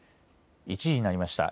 １時になりました。